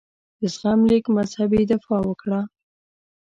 د زغم لیک مذهبي دفاع وکړه.